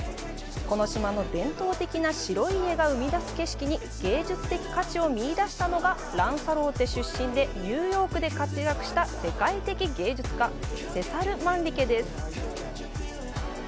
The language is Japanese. この島の伝統的な白い家が生み出す景色に芸術的価値を見いだしたのがランサローテ出身でニューヨークで活躍した世界的芸術家セサル・マンリケです。